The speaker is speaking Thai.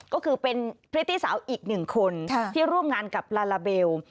ก็คือเป็นพริตตี้สาวอีกหนึ่งคนที่ร่วมงานกับลาลาเบล